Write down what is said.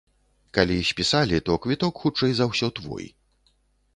Калі спісалі, то квіток хутчэй за ўсё твой.